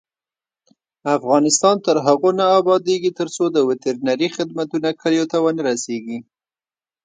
افغانستان تر هغو نه ابادیږي، ترڅو د وترنري خدمتونه کلیو ته ونه رسیږي.